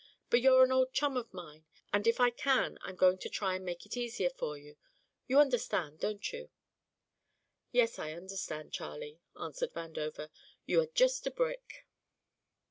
But you're an old chum of mine, and if I can I'm going to try and make it easier for you. You understand, don't you?" "Yes, I understand, Charlie," answered Vandover, "and you are just a brick."